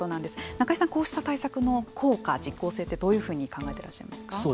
中井さん、こうした対策の効果実効性ってどういうふうに考えていらっしゃいますか。